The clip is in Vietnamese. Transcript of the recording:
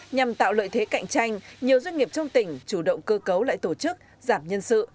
nhằm tạo lợi thế cạnh tranh nhiều doanh nghiệp trong tỉnh chủ động cơ cấu lại tổ chức giảm nhân sự